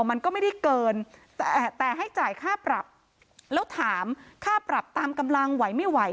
มันก็ไม่ได้เกินแต่ให้จ่ายค่าปรับแล้วถามค่าปรับตามกำลังไหวไม่ไหว